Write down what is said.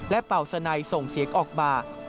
เป่าสนัยส่งเสียงออกมา